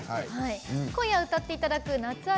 今夜、歌っていただく「夏暁」